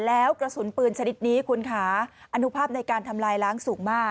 แล้วกระสุนปืนชนิดนี้คุณค่ะอนุภาพในการทำลายล้างสูงมาก